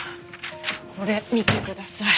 これ見てください。